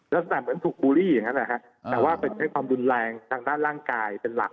เหมือนถูกบูรีอย่างนั้นแหละครับแต่ว่าเป็นใช้ความดุลแรงทางด้านร่างกายเป็นหลัก